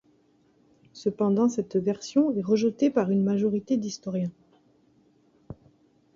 Cependant cette version est rejetée par une majorité d'historiens.